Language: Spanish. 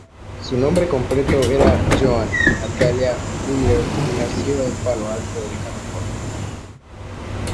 Su nombre completo era Joan Natalia Wheeler, y nació en Palo Alto, California.